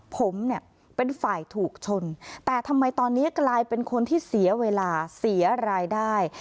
ผมเนี่ยเป็นฝ่ายถูกชนแต่ทำไมตอนนี้กลายเป็นคนที่เสียเวลาเสียรายได้